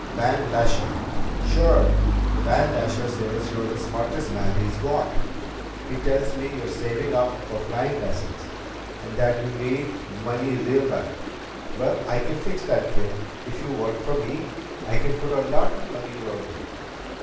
"Van Lasher." "Sure. Van Lasher says you're the smartest man he's got. He tells me you're saving up for flying lessons, and that you need money real bad. Well, I can fix that, kid. If you work for me, I can put a lot of money your way."